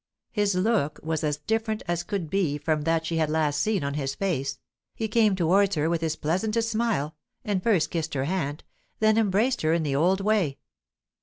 His look was as different as could be from that she had last seen on his face; he came towards her with his pleasantest smile, and first kissed her hand, then embraced her in the old way.